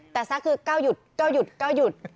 แต่แซ็คคือก้าวหยุดก้าวหยุดก้าวหยุด